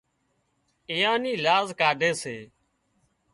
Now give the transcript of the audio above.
اويئان نِِي لاز ڪاڍي سي